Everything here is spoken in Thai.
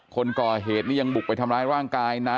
คนก่อเหตุนี้ยังบุกไปทำร้ายร่างกายนะ